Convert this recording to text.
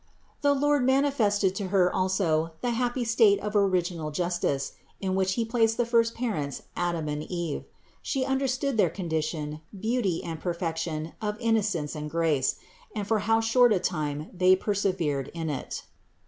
63. The Lord manifested to Her also the happy state of original justice, in which He placed the first parents Adam and Eve; She understood their condition, beauty and perfection of innocence and grace, and for how short 64 CITY OF GOD a time they persevered in it.